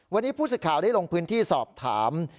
วันนี้ผู้สิทธิ์ข่าวได้ลงพื้นที่สอบถาม